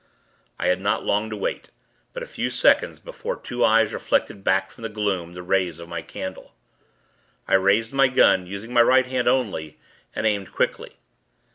I had not long to wait, but a few seconds, before two eyes reflected back from the gloom, the rays of my candle. I raised my gun, using my right hand only, and aimed quickly.